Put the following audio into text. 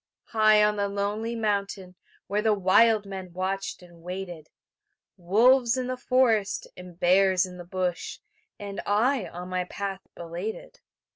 High on the lonely mountain Where the wild men watched and waited; Wolves in the forest, and bears in the bush, And I on my path belated.